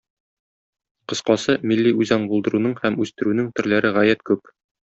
Кыскасы, милли үзаң булдыруның һәм үстерүнең төрләре гаять күп.